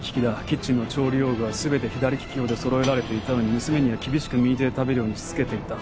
キッチンの調理用具は全て左利き用で揃えられていたのに娘には厳しく右手で食べるようにしつけていた。